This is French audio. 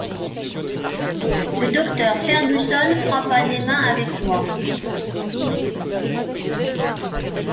Le docteur Fergusson frappa des mains avec joie.